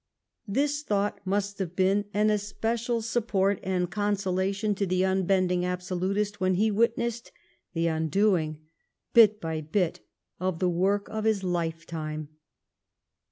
This thought must have been an especial support and consolation to the unbending absolutist when he witnessed the undoing, bit by bit, of the work of his lifetime.